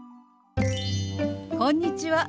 こんにちは。